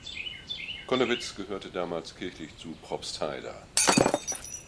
Connewitz gehörte damals kirchlich zu Probstheida.